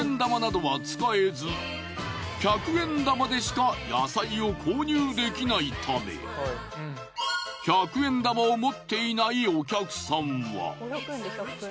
１００円玉でしか野菜を購入できないため１００円玉を持っていないお客さんは。